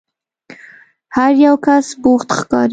هر یو کس بوخت ښکاري.